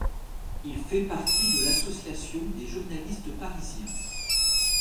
Il fait partie de l'Association des Journalistes Parisiens.